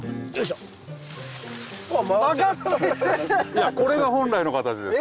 いやこれが本来の形です。